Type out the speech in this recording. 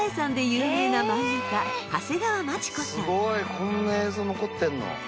こんな映像残ってんの？